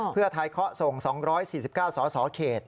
เพื่อไทยเคาะส่ง๒๔๙สสเขต